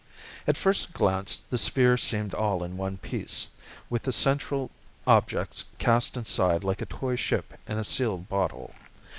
At first glance the sphere seemed all in one piece, with the central objects cast inside like a toy ship in a sealed bottle.